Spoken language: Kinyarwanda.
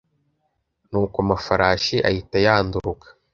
nuko amafarasi ahita yanduruka